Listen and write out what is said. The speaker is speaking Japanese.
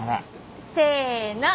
せの！